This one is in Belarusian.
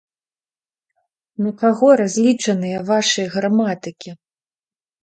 На каго разлічаныя вашы граматыкі?